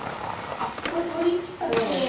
あっこれ取りきった手なんですね。